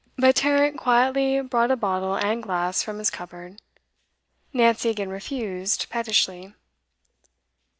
But Tarrant quietly brought a bottle and glass from his cupboard. Nancy again refused, pettishly.